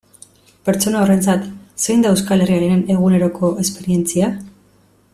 Pertsona horrentzat zein da Euskal Herriaren eguneroko esperientzia?